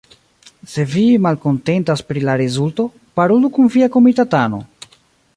Se vi malkontentas pri la rezulto, parolu kun via komitatano